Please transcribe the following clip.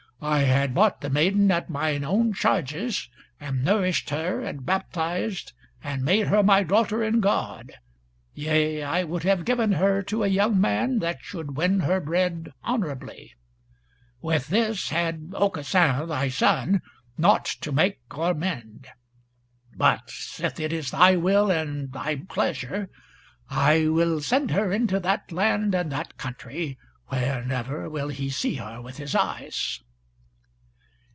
I had bought the maiden at mine own charges, and nourished her, and baptized, and made her my daughter in God. Yea, I would have given her to a young man that should win her bread honourably. With this had Aucassin thy son naught to make or mend. But, sith it is thy will and thy pleasure, I will send her into that land and that country where never will he see her with his eyes."